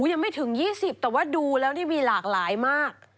อุ้ยยังไม่ถึง๒๐บาทแต่ว่าดูแล้วมีหลากหลายมาก